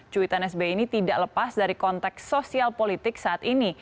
cuitan sbi ini tidak lepas dari konteks sosial politik saat ini